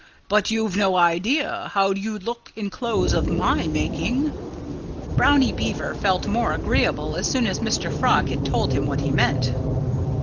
But you've no idea how you'd look in clothes of my making." Brownie Beaver felt more agreeable as soon as Mr. Frog had told him what he meant.